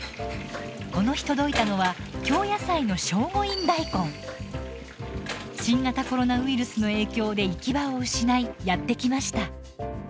この日届いたのは京野菜の新型コロナウイルスの影響で行き場を失いやって来ました。